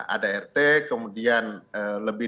adrt kemudian lebih